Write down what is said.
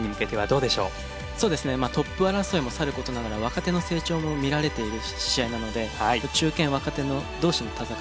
そうですねトップ争いもさる事ながら若手の成長も見られている試合なので中堅若手同士の戦いもご注目ください。